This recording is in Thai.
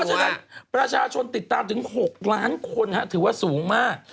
ฉะนั้นประชาชนติดตามถึง๖ล้านคนถือว่าสูงมาก